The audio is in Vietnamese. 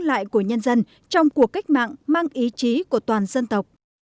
sức mạnh của nhân dân trong cuộc cách mạng mang ý chí của toàn dân tộc